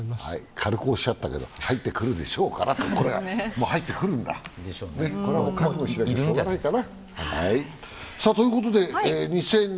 軽くおっしゃったけど、入ってくるでしょうからと、もう入ってくるんだ、覚悟しなきゃしょうがないかな。